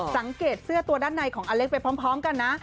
สังเกตเสื้อตัวด้านในของอเล็กไปพร้อมกันนะ